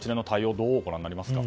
どうご覧になられますか。